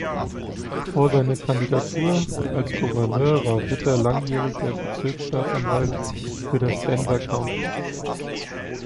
Vor seiner Kandidatur als Gouverneur war Ritter langjähriger Bezirksstaatsanwalt für das Denver County.